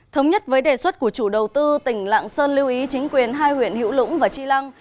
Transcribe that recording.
thống nhất với đề xuất của chủ đầu tư tỉnh lạng sơn lưu ý chính quyền hai huyện hữu lũng và chi lăng